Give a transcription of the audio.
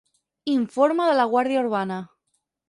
Informe de la guàrdia urbana.